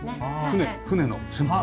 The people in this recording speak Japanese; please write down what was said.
船船の船舶。